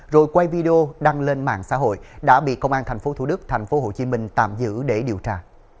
rồi quay video đăng lên mạng xã hội đã bị công an tp thủ đức tp hcm tạm giữ để điều tra